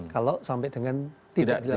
kalau sampai dengan tidak dilakukan